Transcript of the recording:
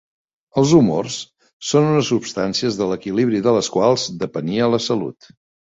Els humors són unes substàncies de l'equilibri de les quals depenia la salut.